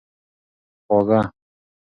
خواږه